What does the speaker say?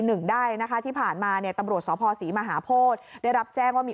หนึ่งได้นะคะที่ผ่านมาเนี่ยตำรวจสภศรีมหาโพธิได้รับแจ้งว่ามี